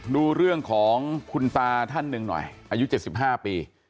ดูเรื่องของคุณตาท่านหนึ่งหน่อยอายุเจ็ดสิบห้าปี